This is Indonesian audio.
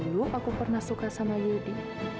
dulu aku pernah suka sama yudi